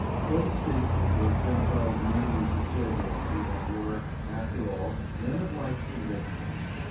Those statesmen who have been held meanly subservient to them were, after all, men of like convictions.